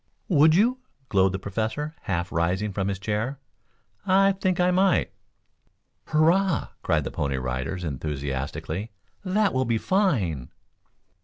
"Would you?" glowed the Professor, half rising from his chair. "I think I might." "Hurrah!" cried the Pony Riders enthusiastically. "That will be fine."